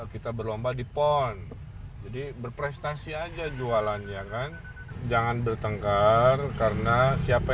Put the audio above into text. kita berlomba di pon jadi berprestasi aja jualannya kan jangan bertengkar karena siapa